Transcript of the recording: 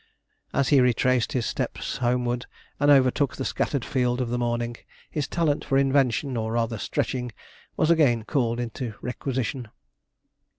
As he retraced his steps homeward, and overtook the scattered field of the morning, his talent for invention, or rather stretching, was again called into requisition.